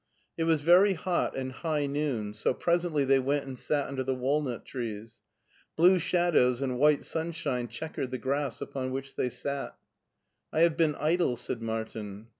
It was very hot, and high noon, so presently they went and sat under the walnut trees. Blue shadows and white sunshine checkered the grass upon which they sat *' I have been idle/' said Martin.